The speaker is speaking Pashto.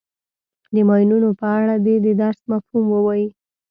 د ماینونو په اړه دې د درس مفهوم ووایي.